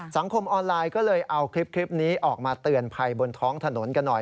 สังคมออนไลน์ก็เลยเอาคลิปนี้ออกมาเตือนภัยบนท้องถนนกันหน่อย